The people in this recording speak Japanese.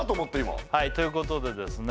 はいということでですね